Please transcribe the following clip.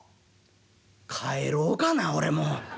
「帰ろうかな俺もう。